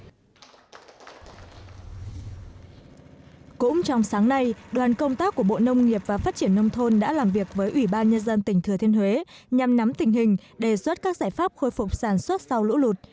cũng trong sáng nay đoàn công tác của bộ nông nghiệp và phát triển nông thôn đã làm việc với ủy ban nhân dân tỉnh thừa thiên huế nhằm nắm tình hình đề xuất các giải pháp khôi phục sản xuất sau lũ lụt